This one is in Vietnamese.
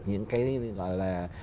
những cái gọi là